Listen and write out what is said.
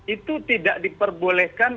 itu tidak diperbolehkan